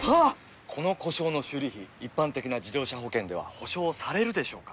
この故障の修理費一般的な自動車保険では補償されるでしょうか？